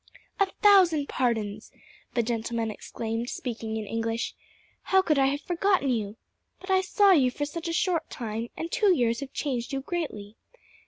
"A thousand pardons!" the gentleman exclaimed, speaking in English. "How could I have forgotten you? But I saw you for such a short time, and two years have changed you greatly.